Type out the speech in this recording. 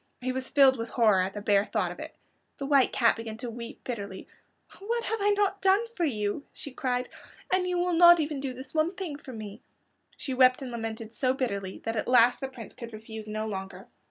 He was filled with horror at the bare thought of it. The White Cat began to weep bitterly. "What have I not done for you?" she cried; "and you will not do even this one thing for me." She wept and lamented so bitterly that at last the Prince could refuse no longer.